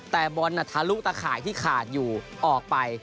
แต่บอลทะลุตะข่ายที่ขาดอยู่ออกไป